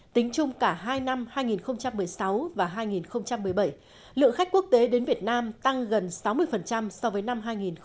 tính chung cả hai năm hai nghìn một mươi sáu và hai nghìn một mươi bảy lượng khách quốc tế đến việt nam tăng gần sáu mươi so với năm hai nghìn một mươi bảy